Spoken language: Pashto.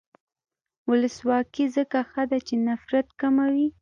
ولسواکي ځکه ښه ده چې نفرت کموي.